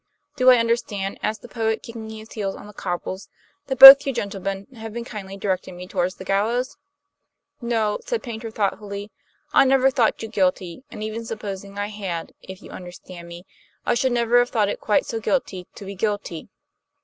"Do I understand," asked the poet, kicking his heels on the cobbles, "that both you gentlemen have been kindly directing me toward the gallows?" "No," said Paynter thoughtfully. "I never thought you guilty; and even supposing I had, if you understand me, I should never have thought it quite so guilty to be guilty.